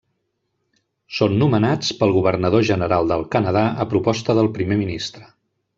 Són nomenats pel Governador General del Canadà a proposta del Primer Ministre.